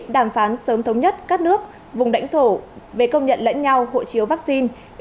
đàm phán sớm thống nhất các nước vùng lãnh thổ về công nhận lẫn nhau hộ chiếu vaccine